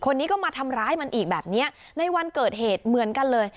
คนนี้ก็มาทำร้ายมันอีกแบบเนี้ยในวันเกิดเหตุเหมือนกันเลย